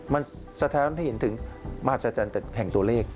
มันสะท้อนให้เห็นถึงมหัศจรรย์แห่งตัวเลข